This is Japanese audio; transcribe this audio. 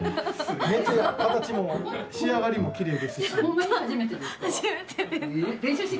形も仕上がりもきれいですし。